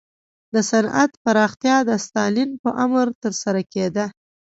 د صنعت پراختیا د ستالین په امر ترسره کېده.